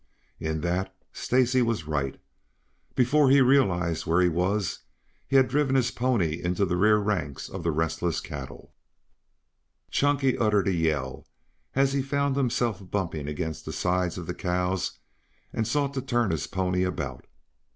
In that, Stacy was right. Before he realized where he was he had driven his pony full into the rear ranks of the restless cattle. Chunky uttered a yell as he found himself bumping against the sides of the cows and sought to turn his pony about.